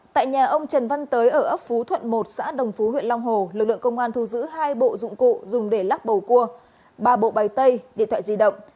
tại nhà ông trần văn tới ở ấp phú thuận một xã đồng phú huyện long hồ lực lượng công an thu giữ hai bộ dụng cụ dùng để lắc bầu cua ba bộ bày tay điện thoại di động